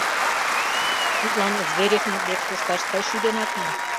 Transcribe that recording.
— Тудлан Зверевмыт дек кошташ тый шӱденат мо?